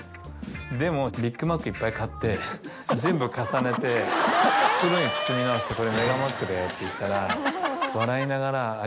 でもうビッグマックいっぱい買って全部重ねて袋に包み直して「これ」。って言ったら笑いながら。